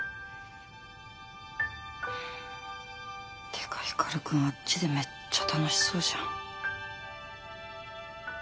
てか光くんあっちでめっちゃ楽しそうじゃん。